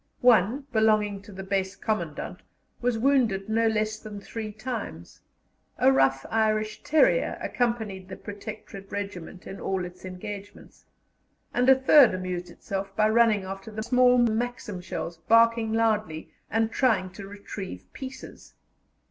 One, belonging to the Base Commandant, was wounded no less than three times; a rough Irish terrier accompanied the Protectorate Regiment in all its engagements; and a third amused itself by running after the small Maxim shells, barking loudly, and trying to retrieve pieces.